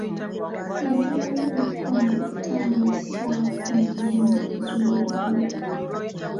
Yaziragira okukoma okutambula ssaawa kkumi n'emu ez'olweggulo.